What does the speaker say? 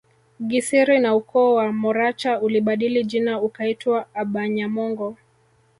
Gisiri na ukoo wa Moracha ulibadili jina ukaitwa abanyamongo